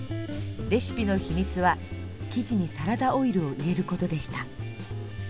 レシピの秘密は生地にサラダオイルを入れる事でした。